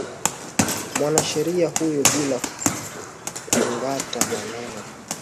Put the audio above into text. mwanasheria huyo bila kungata maneno